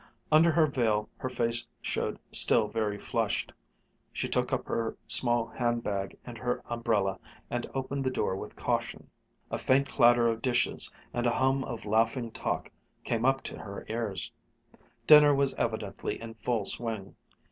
Under her veil her face showed still very flushed. She took up her small handbag and her umbrella and opened the door with caution. A faint clatter of dishes and a hum of laughing talk came up to her ears. Dinner was evidently in full swing.